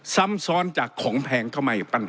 ซ้ำซ้อนจากของแพงเข้ามาอยู่ประหลาด